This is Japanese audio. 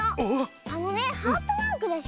あのねハートマークでしょ。